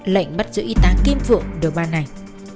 lệnh bắt giữ y tá kim phượng được ban hành